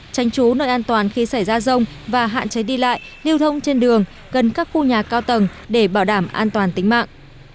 tranh trú nơi an toàn khi xảy ra rông và hạn chế đi lại lưu thông trên đường gần các khu nhà cao tầng để bảo đảm an toàn tính mạng